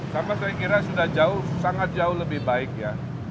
sama saya kira sudah jauh sangat jauh lebih baik ya